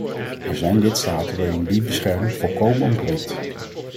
Er zijn lidstaten waarin die bescherming volkomen ontbreekt.